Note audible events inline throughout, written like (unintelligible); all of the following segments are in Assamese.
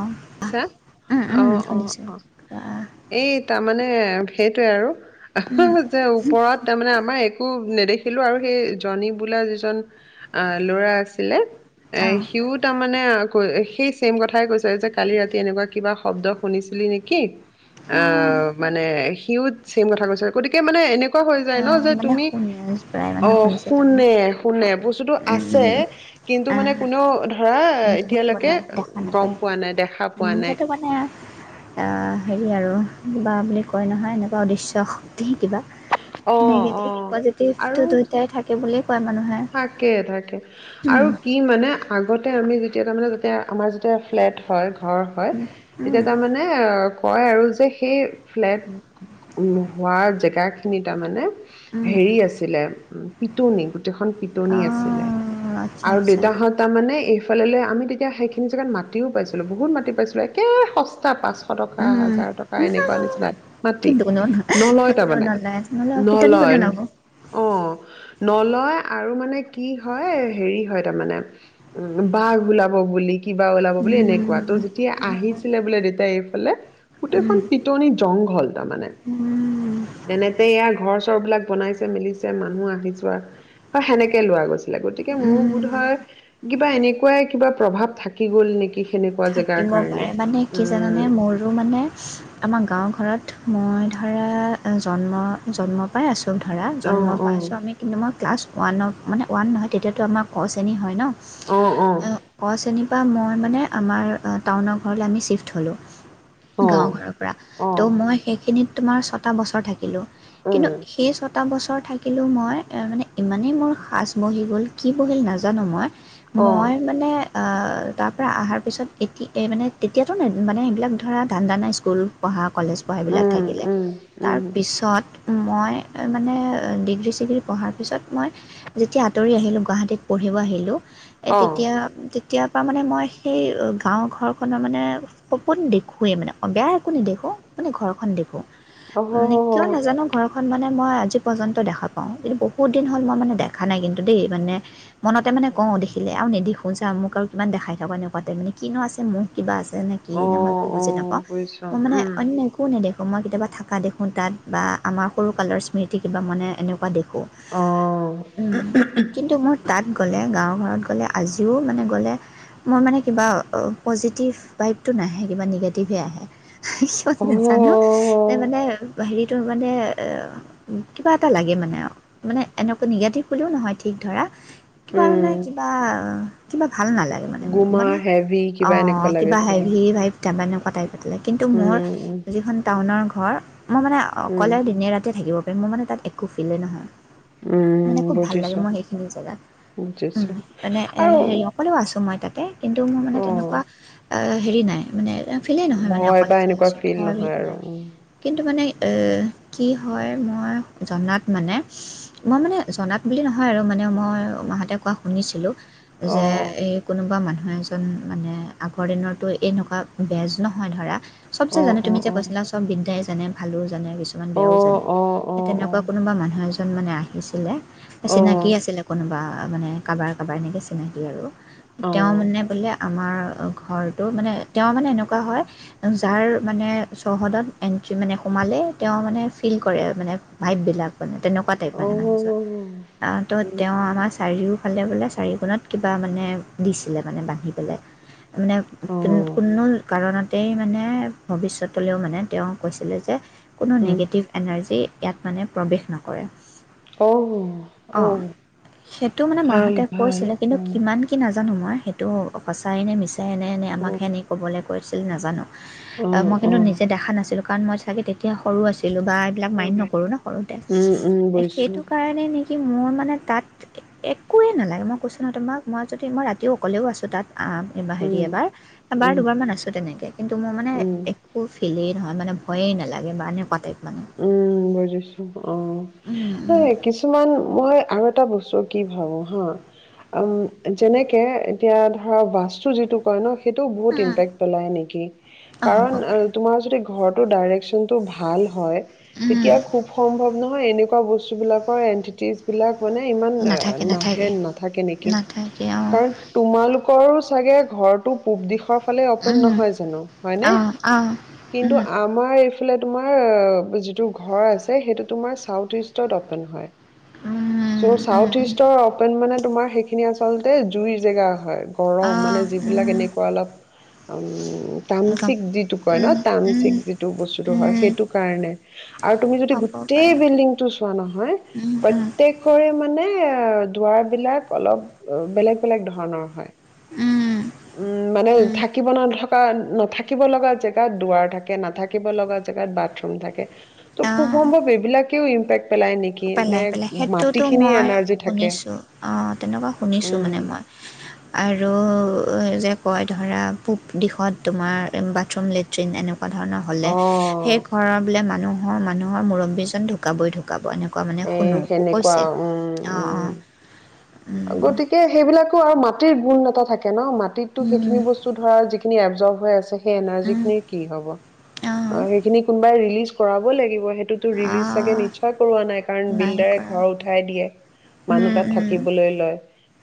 অঁ উম উম অঁ অঁ শুনিছোঁ অঁ কোৱা এই তাৰমানে এ সেইটোৱে আৰু উম যে ওপৰত তাৰমানানে আমাৰ একো নেদেখিলো আৰু সেই জনী বোলা যিজন আহ ল'ৰা আছিলে এ অঁ সিওঁ তাৰমানে মানে সেই ছেম কথাই কৈছে যে কালি ৰাতি এনেকুৱা কিবা শব্দ শুনিছিলি নেকি আঁহ মানে সিওঁ চছেম কথা কৈছিল গতিকে মানে এনেকুৱা হৈ যায় ন অঁ যে মানে তুমি শুনি প্ৰায় মানুহে অঁ শুনিছিল তাৰমানে শুনে শুনে বস্তুতটো আছে উম, কিন্তু মানে আহ, কোনেওঁ ধৰা ধৰিব এতিয়ালৈকে নোৱাৰে দেখা গম নাপায় পোৱা পোৱা নাই দেখা পোৱা উম, নাই সেইটো মানে হেৰি আৰু কিবা বুলি কয় নহয় এনেকুৱা উদ্দেশ্য শক্তি কিবা অঁ অঁ দুয়টাই থাকে বুলি থাকে থাকে আৰু কি মানে আগতে আমি যেতিয়া তাৰমানে যেতিয়াই আমাৰ যেতিয়া ফ্লেট হয় ঘৰ হয় তেতিয়া তাৰমানে কয় আৰু যে সেই ফ্লেট হোৱা জেগাখিনি তাৰমানে হেৰি আছিলে পিটনি খন পিটনি আছিলে অঁ আচ্ছা আৰু আচ্ছা দেউতাহঁ তাৰমানানে এইফালে আমি তেতিয়া সেইখিনি জেগাত মাটিও পাইছিলো বহুত মাটি পাইছিলো একে সস্তা পাঁচশ টকা হাজাৰ টকা এনেকুৱা নিচিনা কি মাতি কোনেও ন নলয় তাৰ কোনেও মানে নলয় নহ'লে পিটনি কোনে নলয় লগাব অঁ নলয় আৰু মানে কি হয় হেৰি হয় তাৰমানে উম বাঘ ওলাব বুলি কিবা ওলাব উম, বুলি এনেকুৱা ত' যেতিয়া উম, আহিছিলে বোলে দেউতয়া এইফালে গোটেইখন উম, পিটনি জংঘল তাৰমানে উম, তেনেতে ইয়াৰ ঘৰ চৰ বিলাক বনাইছে মেলিছে মানুহ আহি ছোৱা হয় সেনেকৈ লোৱা গৈছিলে গতিকে মোৰ বোধ উম, হয় কিবা এনেকুৱাই কিবা প্ৰভাৱ থাকি গ'ল নেকি সেনেকুৱা জেগাৰ থাকিব কাৰণে পাৰে মানে কি জানানে উম মোৰো মানে আমাৰ গাঁও ঘৰত মই ধৰা জন্ম জন্মৰ পৰাই আছোঁ চব ধৰা অ জন্ম পাইছোঁ আমি কিন্তু মই ক্লাছ ওৱানৰ মানে ৱ নহয় তেতিয়াতো আমাৰ ক চেনি হয় ন অ অ 'ক' শ্ৰেণী বা মই মানে আমাৰ টাউনৰ ঘৰলৈ আমি ছ্বিফ্ট হ'লোঁ অ গাঁও ঘৰৰ পৰা অ অ ত' মই সেইখিনিত তোমাৰ ছটা বছৰ থাকিলোঁ কিন্তু উম সেই ছটা বছৰত থাকিলেঁ মই মানে ইমানেই মোৰ সাঁচ বহি গ'ল কি বহিল নাজানো মই অ মই মানে তাৰপৰা অহাৰ পিছত এতিয়া মানে তেতিয়াতো ন মানে এইবিলাক ধৰা ধান্দা নাই স্কুল পঢ়া। কলেজ পঢ়াইবিলাক উম থাকিলে উম উম তাৰপিছত মই মানে ডিগ্ৰী চিগ্ৰী পঢ়াৰ পিছত মই যেতিয়া আঁতৰি আহিলোঁ গুৱাহাটীত পঢ়িব আহিলোঁ। অ তেতিয়া তেতিয়াৰ পৰা মানে মই সেই ঘৰখনৰ মানে সপোন দেখোৱেই মানে বেয়া একো নেদেখোঁ মানে ঘৰখন দেখোঁ। অ হ হ মে কিয় হ নাজানো ঘৰখন মানে মই আজি পৰ্যন্ত দেখা পাওঁ। কিন্তু বহুত দিন হ'ল মই মানে দেখা নাই কিন্তু দেই মানে মনতে মানে কওঁ দেখিলে আৰু নেদিখচা মোক আৰু কিমান দেখাই থাকা এনেকুৱাতে মানে কিনো আছে মোৰ কিবা আছে নে কি অ নে মই একো অ বুজি নাপাওঁ বুজিছ মই মানে উম অন্য একো নেদেখো মই কেতিয়াবা থাকা দেখো তাত বা আমাৰ সৰু কালৰ স্মৃতি কিবা মানে এনেকুৱা দেখো অ উম কিন্তু মোৰ তাত গ'লে গাঁৱৰ ঘৰত গ'লে আজিও মানে গ'লে মই মানে কিবা পজিটিভ ভাইভটো নাহে কিবা নিগেটিভে আহে। কিয় অ নাজানো ত মানে হেৰিটো মানে এ কিবা এটা লাগে মানে মানে এনেকুৱা নিগেটিভ বুলিও নহয় ঠিক ধৰা কিবা উম নাই কিবা কিবা ভাল নালাগে মানে মোৰ গোমা মানে হেভি অ কিবা এনেকুৱা লাগে কিবা চাগে হেভি ভাই (unintelligible) কিন্তু মোৰ উম উম যিখন টাউনৰ ঘৰ মই মানে উম অকলে দিনে ৰাতিযয়ে থাকিব পাৰোঁ। মোৰ মানে তাত একো ফিলেই নহয় উম মানে খুব ভাল লাগে বুজিছো মই সেইখিনি জেগা উম বুজিছো মানে এ আৰু হেৰি অকলেও আছো মই তাত তে কিন্ত মোৰ মানে অ তেনেুৱা অ হেৰি নাই মানে তেওঁ ফিলেই নহয় মানে ভয় বা অকলে যাই এনেকুৱা আছোঁ ফিল ঘৰৰ নহয় বিধ আৰু নাই উম কিন্তু মানে কি হয় মই জনাত মানে মই মানে জনাত বুলি নহয় আৰু মানে মই মাহঁতে কোৱা শুনিছিলোঁ। অ যে এই কোনোবা মানুহ হয় মানে আগৰ দিনৰতো এনেকুৱা বেজ নহয় ধৰা চব চে অ জানে অ তুমি যে অ কৈছিলা বিদ্যাই (unintelligible) কিছুমান অ বেয়াও যায়, অ অ এ তেনেকুৱা কোনোবা মানুহ এজন এজন মানে আহিছিলে। অ চিনাকি আছিলে কোনোবা। মানে কাৰোবাৰ কাৰোবাৰ এনেকৈ চিনাকি আৰু। অ অ অ তেওঁ মানে বোলে আমাৰ ঘৰটো মানে, তেওঁ মানে এনেকুৱা হয় যাৰ মানে চৌহদত এণ্ট্ৰি মানে সোমালে তেওঁ মানে ফিল কৰে মানে ভাইভবিলাক। মানে তেনেকুৱা টাইপ মানে উম মানুহজন তো' তেওঁ আমাৰ চাৰিও ফালে বোলে চাৰিওকোণত কিবা মানে দিছিলে মানে বান্ধি। পেলাই। মানে কোনো কাৰণত। গোটেই মানে ভৱিষ্যতলৈও মানে তেওঁ কৈছিলে যে কোনো নিগেটিভ এনাৰ্জি ইয়াত মানে প্ৰৱেশ নকৰে। অ উম অ' সেইটো মানে ভাল মাহঁতে ভাল কৈছিলে কিন্তু অ কিমান কি নাজানো। জানো মই সেইটো সচাইনে মিছাই। এনে এনে আমাক সেনে ক'বলে কৰিছিল নাজানো। অ' মই কিন্তু নিজে দেখা নাছিলো। কাৰণ, মই চাগে তেতিয়া সৰু আছিলো। বা এইবিলাক মাইন নকৰো ন সৰুতে উম উম এ বুজিছো সেইটো কাৰণে নেকি। কি মোৰ মানে তাত একোৱেই নালাগে মই কৈছো নহ তোমাক মই যদি মই ৰাতিও অকলেও আছোঁ তাত। আ' এইবাৰ হেৰি উম এবাৰ এবাৰ উম দুবাৰ মান আছো তেনেকে কিন্তু মোৰ মানে উম একো ফিলে নহয় মানে ভয়ে নালাগে বা এনেকুৱা টাইপ। মানে উম, বুজিছো অ' এ কিছুমান মই আৰু এটা বস্তু কি ভাবো হা উম যেনেকে এতিয়া ধৰা বাস্তু যিটো কয় ন এইটো বহুত ইমপেক পেলাই নেকি অঁ হ'ব কাৰণ পাৰে তোমাৰ যদি ঘৰত ডাইৰেকশ্যন টো ভাল হয়। তেতিয়া খুব সম্ভৱ নহয় এনেকা এনেকুৱা বস্তুবিলাকৰ এণ্টিটিজ বিলাক মানে ইমান নাথাকে নাহে, নাথাকে নাথাকে নেকি নাথাকে অঁ কাৰণ তোমালোক ৰো চাগে ঘৰটো পূব দিশৰ অকলে অপেন অঁ নহয় জানো, হয়নে? অঁ কিন্তু আমাৰ আছিলে তোমাৰ। যিটো ঘৰ আছে সেইটো তোমাৰ চাউথ ইষ্টৰত হয়। অঁ চ' চাউথ ইষ্টৰ অপেন মানে। তোমাৰ সেইখিনি আচলতে জুই জেগা হয়। অঁ গৰম মানে যিবিলাক এনেকুৱা অলপ উ গম তামচিক যিটো কয় উম ন উম তামচিক যিটো বস্তুটো হয়। উম সেইটো কাৰণে আৰু তুমি যদি হ'ব গোটেই পাৰে বিল্ডিংটো চোৱা নহয় উম উম প্ৰত্যেকৰে মানে মানে দুৱাৰ বিলাক অলপ বেলেগ বেলেগ ধৰণৰ হয়। উম উম মানে উম থাকিব ন নথ। থ নাথাকিব লগা জেগাত দুৱাৰ থাকে নাথাকিব লগা জেগাত বাথৰুম থাকে। ত' খুব অঁ সম্ভৱ এইবিলাক। ক ইম্পেকট। পেলাই পেলাই সেইটোতো মই এনাৰ্জি থাকে শুনিছো অ তেনেকুৱা শুনিছো মানে উম মই আৰু যে কয় ধৰা পূব দিশত তোমাৰ বাথৰুম লেট্ৰিন এনেকুৱা তেনেকুৱা ধৰণৰ হ'লে অ সেই ঘৰৰ বোলে মানুহ ম মানুহ মুৰব্বীজন ঢুকাবৈ ঢুকাব এনেৱা এ সেনেকুৱা উম অঁ অঁ উম উম গতিকে সেইবিলাক আৰু মাটিৰ গুন এটা থাকে ন মাট মাটিত টো উম যিখিনি বস্তু ধৰা যিখিনি জ্বৰ হৈ আছে। তেতিয়া এনাৰ্জি উম খিনি কি হব অঁ আৰু সেইখিনি কোনোবাই ৰিলিজ কৰাব লাগিব। সেইটোতো ৰিলিজ চাগে অঁ নিশ্চয় কৰোৱা নাই। নাই বিল্ডাৰে কৰা ঘৰ উঠাই দিয়ে মানুহ উম, তাত উম, থাকিবলৈ লয়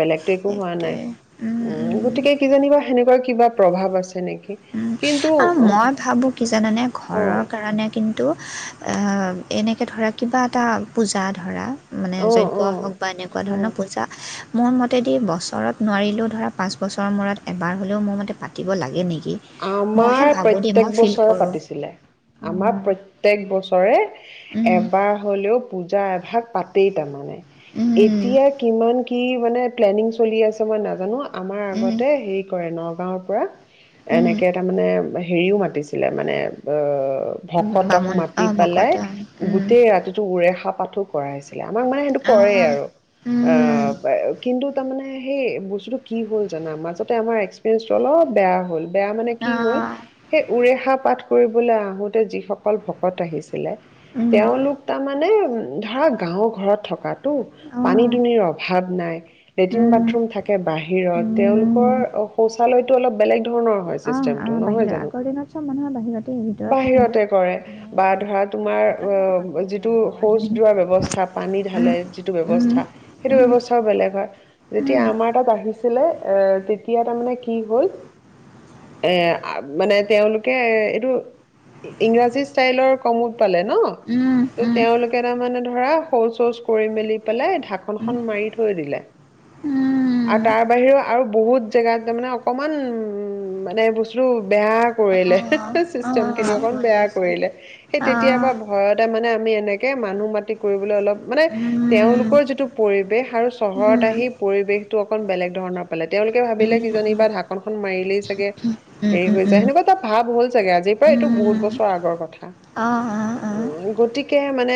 বেলেগত একো হোৱা সেইটোৱে নাই উম উ উম গতিকে কিজানিবা এনেকুৱা কিবা প্ৰভাৱ আছে নেকি? উম কিন্তু আৰু মই অ ভাবো কি জানানে ঘৰৰ কাৰণে কিন্তু এ এনেকৈ ধৰা কিবা এটা পূজা ধৰা। মানে অ অ যজ্ঞ হওক বা এনেকুৱা অ ধৰণৰ পূজা। মোৰ মতেদি বছৰত নোৱাৰিলেও ধৰা পাঁচ বছৰৰ মূৰত এবাৰ হ'লেও মোৰ মতে পাতিব লাগে নেকি? মইহে আমাৰ ভাবোঁ দেই প্ৰত্যেক মই ফিল বছৰে কৰোঁ পাতিছিলে আমাৰ উম প্ৰত্যেক বছৰে উম এবাৰ হ'লেও পুজা। যা এভাগ পাতেই তাৰমানে। উম এতিয়া কিমান কি? মানে প্লেনিং চলি আছে মই নাজানো। আমাৰ উম আগতে হেৰি কৰে নগাঁৱত। পৰা। উম। এনেকে তাৰমানে। হেৰিও মাতিছিলে মানে অ অ। ভকতক বামুণ মাতি অঁ ভকত পেলাই অঁ উম গোটেই ৰাতিটো উৰে খাপ। পাঠো কৰাইছে। আমাক মানে সেইটো কৰে অঁ আৰু উম অ কিন্তু। তাৰ মানে সেই বস্তুতটো কি হ'ল জানা মাজতে আমাৰ এক্সপিৰিয়েন্ঞ্চটো অলপ বেয়া হ'ল। বেয়া মানে কি হ'ল অঁ সেই উৰেহা পাত। কৰিবলৈ আহোতে যিসকল ভকত আহিছে। উম তেওঁলোক তাৰ মানে উম্। ধৰা গাঁও ঘৰত থকাত। টো অঁ পানী দুনিৰ অভাৱ। নাই। লেট্ৰিন উম বাথৰুম থাকে বাহিৰত তেওঁলোকৰ, উম, শৌচালয়। টোঅলপ বেলেগ ধৰণৰ। হয় আহ চিষ্টেমটো আহ নহয় বাহিৰত জানো? আগৰ দিনত চব মানুহৰ বাহিৰতে ভিতৰত বাহিৰতে সেইবিলাক কৰে মানে বা ধৰা তোমাৰ ভিতৰত হোৱাটো অ পাতেই আৰু যিটো তেওঁলোকৰ শৌচ কাৰণে দোৱাৰ ব্যৱস্থা পানী ঢালে উম, যিটো উম, ব্যৱস্থা সেইটো উম, ব্যৱস্থাও বেলেগ হয় যেতিয়া উম, আমাৰ তাত আহিছিলে এ। এতিয়া তাৰমানে কি হ'ল। এ মানে তেওঁলোকে এইটো। ইংৰাজী ষ্টাইলৰ। (unintelligible) পালে ন, উম, ত' তেওঁলোকে তাৰমানানে ধৰা। শৌচ শৌচ কৰি মেলি পেলাই উম, উম, ধাকনখন মাৰি থৈ দিলেম আৰু উম, তাৰ বাহিৰেও আৰু। বহুত জেগাত তাৰ মানে অকনমান উ উম্। উ মানে (unintelligible) বেয়া আহ, কৰিলে আহ, (unintelligible) চিষ্টেম খিনি অকণ আহ, বেয়া কৰিলে, সেই তেতিয়াৰ পায়ে ভয়তে মানে আমি এনে। এ মানুহ মাতি কৰিবলে অলপ। মানে উম, তেওঁলোকৰ উম, যিটো পৰিৱেশ আৰু চহৰত উম, আহি পৰিৱেশটো অকন বেলেগ। ধৰণৰ। পালে তেওঁলোকে ভাবিলে, উম, কিজানি বা ঢাকনখন মাৰিলেই। চাগে হেৰি উম, হৈ যায় উম, সেনেকুৱা এটা ভাৱ হ'ল চাগে আজিৰ পৰা এইটো বহুত উম, বছৰ আগৰ কথা আহ, আহ, অ আহ, গতিকে। মানে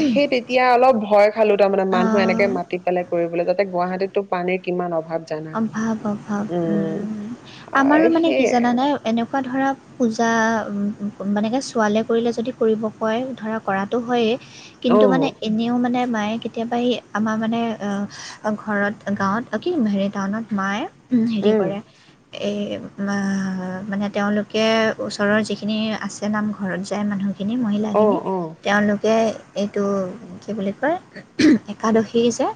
এ সেই তেতিয়া অলপ ভয় খালো তাৰমানে মানুহে আহ, এনেকে মাতি পেলাই কৰিবলৈ গুৱাহাটীতটো পানীৰ কিমান অ অভাৱ-অভাৱ উম। আমাৰো মানে কি সেই জানা নে, এনেকুৱা ধৰা পূজা মানেকে ছোৱালীয়ে কৰিলে যদি কৰিব কয় ধৰা কৰাটো হয়েই। কিন্তু মানে অ' এনেও মানে মায়ে কেতিয়াবা এই আমাৰ মানে অঁ ঘৰত গাঁৱত কি হেৰিত টাউনত মায়ে হেৰি উম কৰে, এই বা মানে তেওঁলোকে ওচৰৰ যিখিনি আছে নাম ঘৰত যায় মানুহ খিনি মহিলাখিনি, অ' অ' তেওঁলোকে এইটো কি বুলি কয় একাদশী যে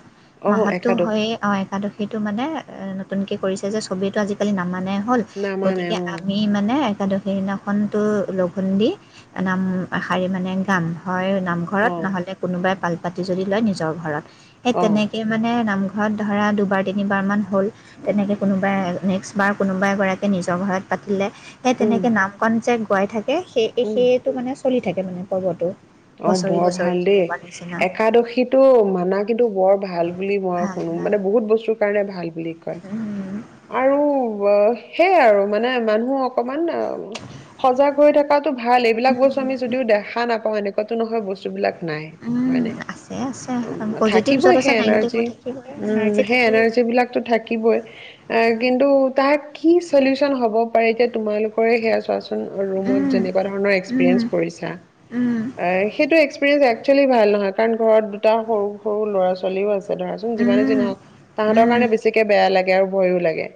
অ' মাহতটো একাদশ হয়ে, অ' আৰু সেইটো টো মানে এ নতুনকে কৰিছে যে, ছবেইটো আজিকালি নামানে হ'ল, নামানে গতিকে অ' আমি মানে একাদশী দিনাখনটো লঘোণ দি নাম এশাৰী মানে গাম, হয় নামঘৰত, অ' নহ'লে কোনোবাই পাল (unintelligible) টি যদি লয়, নিজৰ ঘৰত। সেই অ' তেনেকে মানে নামঘ ঘৰত ধৰা দুবাৰ তিনিবাৰমান হ'ল, তেনেকে কোনোবাই নেক্সটবাৰ কোনোবা এগৰাকীয়ে নিজৰ ঘৰত পাতিলে সেই উম তেনেকে নাম কন যে পাই থাকে সেই উম সেইটো মানে চলি থাকে মানে পৰ্বটো। অ' বছৰি বৰ বছৰি ভাল দেই, তেনেকুৱা নিচিনা একাদশীতো মানা কিন্তু বৰ ভাল বুলি মই ভাল শুনু ভাল মানে বহুত বস্তু কাৰণে ভাল বুলি কয়, উম, আৰু অ' সেইয়াই আৰু মানে মানুহ অকমান এ সজাগ হৈ থকাত টো ভাল, এইবিলাক বস্ত আমি যদিও দেখা নাপাওঁ এনে টো নহয় বস্তুবিলাক। নাই উম, হয়নে, আছে আছে পজিটিভ থাকিবই য'ত আছে সেই নেগেটিভো এনাৰ্জি থাকিবই উম, এনাৰ্জি সেই থাকিবই এনাৰ্জী বিলাকতো থাকিবই, এ' কিন্তু তাৰ কি চলিউচন হব পাৰে, এতিয়া তোমালোকৰে সেয়া চোৱাচ ৰুমত উম, যেনেকুৱা ধৰণৰ উম, এক্সপিৰিয়েঞ্চ কৰিছা, উম, সেইটো এক্সপিৰিয়েঞ্চ এক্চুৱেলি ভাল নহয়। কাৰণ ঘৰত দুটা সৰু সৰু ল'ৰা ছোৱালীও আছে। ধৰাচোন যিমানে উম, যিহওক, তাহাঁতৰ উম, কাৰণে বেছিকে বেয়া লাগে। য়াৰ ভয়ো লাগে।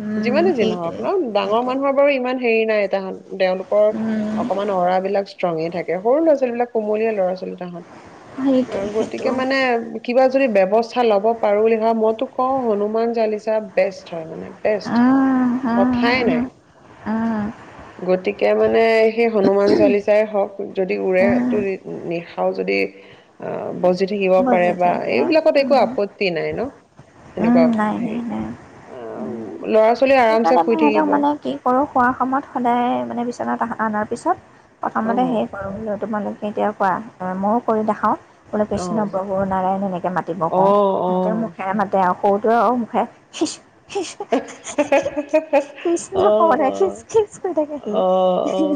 উম, যিমানে যি নহক সেইটোৱে ন ডাঙৰ সেইটোৱে মানুহৰ বাৰু ইমান হেইৰি নাই এটি হান তেওঁলোকৰ উম, অকমান অৰা বিলাক ষ্ট্ৰঙে থাকে। সৰু ল' ছোৱালী ৱালী বিলাক, কোমলীয়া লৰা ছোৱালী তাহত। সেইটোৱে অ' সেইটো গতিকে মানে কিবা ৱস্থা লব পাৰো বুলি ভ মইো ক হনুমান চালিচাস কথাই নাই গতিকে মানে সেই হনুমান চালিচাই হওক যদি উৰে ফে্টৰী নি (unintelligible) যদি অ বস্তু বজি থাক উ আপত্তি নাই ন উম সেনেকুৱা নাই হেৰি নাই নাই উ আহ ল'ৰা ছোৱালী আৰামছে সেইকাৰণে মই শুই সিহঁতক থাকিব মানে কি কৰো খোৱা সময়ত সদায় মানে বিচনাত আহা অনাৰ পিছত অ প্ৰথমতে হে কৰো তোমালোকে কেতিয়াৰ পৰাা ময়ো কৰি দেখাওঁ ক পেছ অ কৃষ্ণপ্ৰভু নাৰায়ণ এনেকৈ মাতিব অ অ কওঁ সিহঁতেও মুখেৰে মাতে আৰুক অত আৰু মুখে অ কৃষ্ণ ক অ খেচ খেচ কৰি থাকে অ অ সি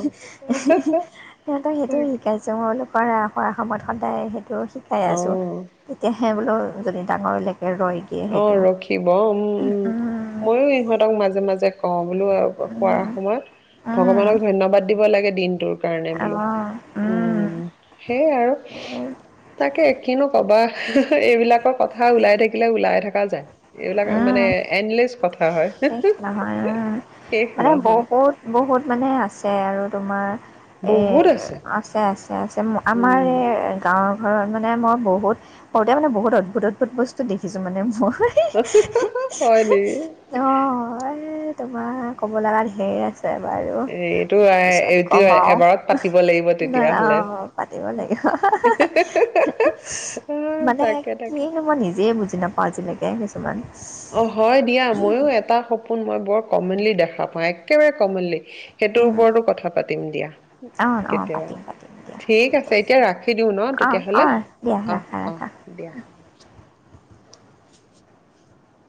সহতক সেইটো তাকে। শিকাইছে মই বোল কৰা কৰা সময়ত সদায় সেইটো খাই আছোঁ অ তেতিয়াহে বোলো যদি ডাঙৰলেক অ ৰখিব উম উম ময়ো ইহঁতক মাজে মাজে কম বোলো খোৱাৰ সময়ত ভগৱানক অঁ ধন্যবাদ দিব লাগে পিন্দডুৰ কাৰণে বোলো উম সেইয় আৰু তাকে কিনো কবা এইবিলাকক কথা ওলাই থাকে ওলাই থকা যায় এইবিলাক মানে উম, এনলি নহয় উম শেষ মানে নহয় বহুত বহুত মানে আছে আৰু তোমাৰ এ আছে আছে আছে আমাৰ উম এই গাঁৱৰ ঘৰত মানে মই বহুত সৰুতে মানে বহুত অদ্ভূত বস্তু দেখিছোঁ মানে মোৰ হুম হিঁ হয় নেকি এ তোমাৰ ক'ব লগা ঢেৰ আছে বাৰু এইটো পিছত এইটো কম এবাৰত পাতিব লাগিব আৰু নাই তেতিয়াহলে অঁ পাতিব লাগিব আহ মানে তাকে তাকে কিনো মই নিজে বুজি নাপাওঁ আজিলৈকে কিছুমান মই ও এটা সপোন মই কমনলি দেখা পাওঁ একেবাৰে কমনলি সেইটোৰ ওপৰতো কথা পাতি পাতিম দিয়া অ' অ' কেতিয়াবা পাতিম পাতিম দিয়া ঠিক আছে এতিয়া ৰাখি দিওঁ ন অ' তেতিয়াহলে অ' দিয়া আঁহ ৰাখা আঁহ ৰাখা দিয়া